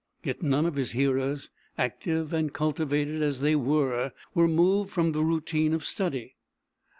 Yet none of his hearers, active and cultivated as they were, were moved from the routine of study.